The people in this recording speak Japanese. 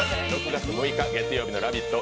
６月６日、月曜日の「ラヴィット！」